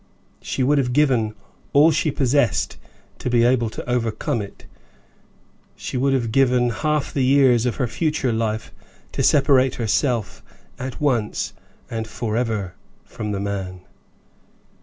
She would have given all she possessed to be able to overcome it. She would have given half the years of her future life to separate herself at once and forever from the man.